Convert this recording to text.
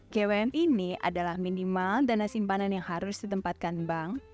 gwm ini adalah minimal dana simpanan yang harus ditempatkan bank